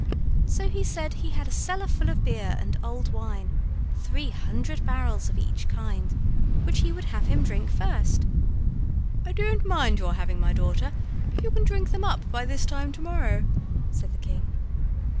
So he said he had a cellar full of beer and old wine, three hundred barrels of each kind, which he would have him drink first. "I don't mind your having my daughter if you can drink them up by this time to morrow," said the king.